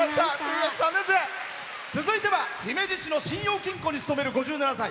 続いては姫路市の信用金庫に勤める５７歳。